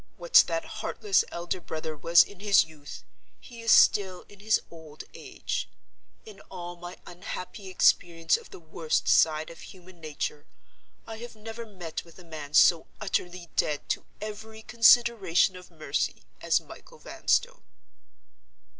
What that heartless elder brother was in his youth, he is still in his old age. In all my unhappy experience of the worst side of human nature, I have never met with a man so utterly dead to every consideration of mercy as Michael Vanstone."